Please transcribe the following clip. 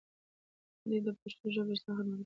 دی د پښتو ژبې رښتینی خدمتګار دی.